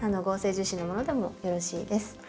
合成樹脂のものでもよろしいです。